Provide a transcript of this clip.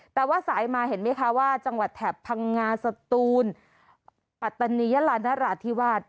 แต่ว่าสายมาเห็นไหมคะว่าจังหวัดแถบพังงาสตูนปัตตานียะลานราธิวาส